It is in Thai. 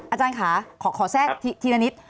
อาจารย์ค่ะขอแทรกทีละนิด